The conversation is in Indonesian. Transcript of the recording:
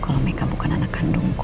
kalau mika bukan anak kandungku